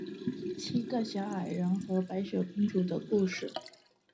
剩余的矮人七戒则被龙烧毁或重新落入索伦手中。